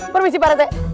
permisi pak rete